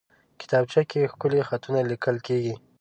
کتابچه کې ښکلي خطونه لیکل کېږي